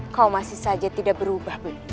kau masih saja tidak berubah